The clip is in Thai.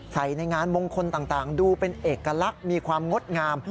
ในงานมงคลต่างดูเป็นเอกลักษณ์มีความงดงาม